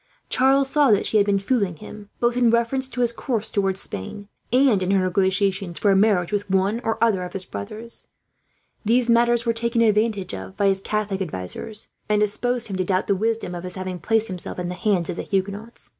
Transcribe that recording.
Charles saw that she had been fooling him, both in reference to his course towards Spain and in her negotiations for a marriage with one or other of his brothers. These matters were taken advantage of by his Catholic advisers, and disposed him to doubt the wisdom of his having placed himself in the hands of the Huguenots.